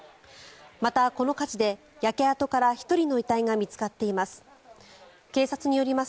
また、この火事で焼け跡から１人の遺体が見つかっています。